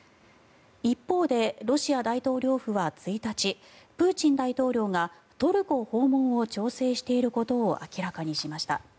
一方で、ロシア大統領府は１日プーチン大統領がトルコ訪問を調整していることを明らかにしました。